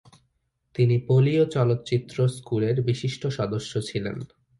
তিনি পোলীয় চলচ্চিত্র স্কুলের বিশিষ্ট সদস্য ছিলেন।